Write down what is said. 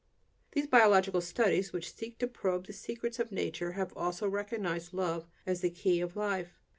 Those biological studies which seek to probe the secrets of nature have also recognized love as the key of life.